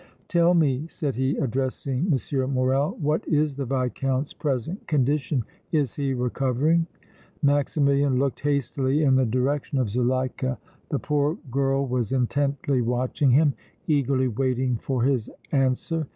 "Tell me," said he, addressing M. Morrel, "what is the Viscount's present condition. Is he recovering?" Maximilian looked hastily in the direction of Zuleika; the poor girl was intently watching him, eagerly waiting for his answer.